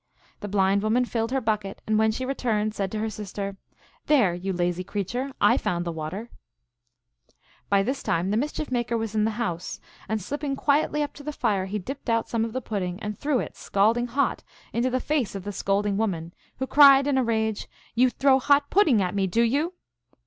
The blind woman filled her bucket, and when she returned said to her sister, " There, you lazy creature, I found the water !" By this time the Mischief Maker was in the house, and slipping quietly up to the fire he dipped out some of the pudding and threw it, scalding hot, into the face of the scolding woman, who cried in a rage, " You throw hot pudding at me, do you